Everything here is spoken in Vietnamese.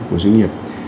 của doanh nghiệp